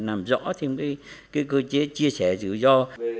làm rõ thêm cái cơ chế chia sẻ rủi ro